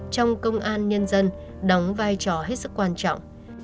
trong công an nhân dân đóng vai trò hết sức quan trọng